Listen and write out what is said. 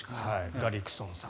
ガリクソンさん